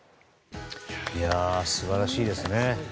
すばらしいですね。